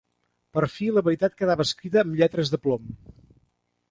Per fi la veritat quedava escrita amb lletres de plom.